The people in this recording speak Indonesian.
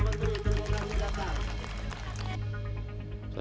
terima kasih bapak